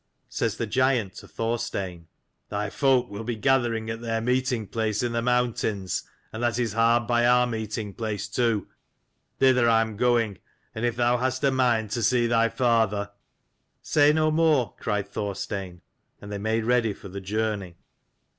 Says the giant to Thorstein, "Thy folk will be gathering at their meeting place in the mountains, and that is hard by our meeting place too. Thither I am going, and if thou hast a mind to see thy father" "Say no more," cried Thorstein: and they made ready for the journey.